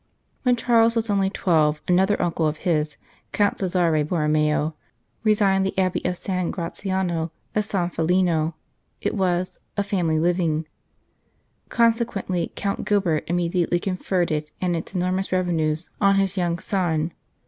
When Charles was only twelve, another uncle of his, Count Cesare Borromeo, resigned the Abbey of San Gratiano e San Felino. It was " a family living "; consequently Count Gilbert immediately conferred it and its enormous revenues on his young son.